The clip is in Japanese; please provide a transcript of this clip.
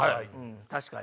確かに。